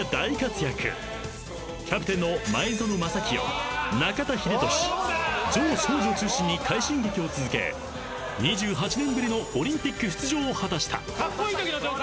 ［キャプテンの前園真聖中田英寿城彰二を中心に快進撃を続け２８年ぶりのオリンピック出場を果たした］